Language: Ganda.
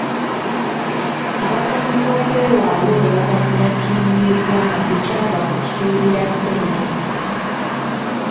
Abazannyi okwewaayo ne bazannyira ttiimu y’eggwanga tekyava ku kusuubira ssente.